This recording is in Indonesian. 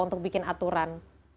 untuk bikin aturan